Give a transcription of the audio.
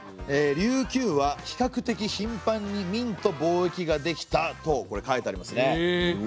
「琉球は比較的ひんぱんに明と貿易ができた」と書いてありますね。